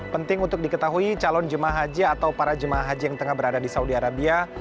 penting untuk diketahui calon jemaah haji atau para jemaah haji yang tengah berada di saudi arabia